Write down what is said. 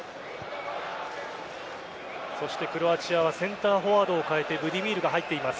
そしてクロアチアはセンターフォワードを代えてブディミールが入っています。